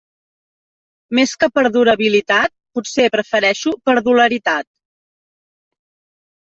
Més que Perdurabilitat, potser prefereixo Perdularitat.